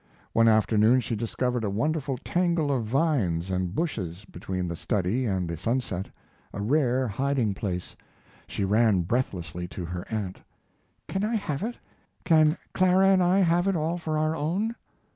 One afternoon she discovered a wonderful tangle of vines and bushes between the study and the sunset a rare hiding place. She ran breathlessly to her aunt: "Can I have it? Can Clara and I have it all for our own?"